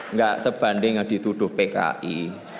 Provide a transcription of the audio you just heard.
nggak sebanding yang dituduh pki